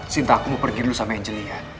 sinta aku mau pergi dulu sama anggeli ya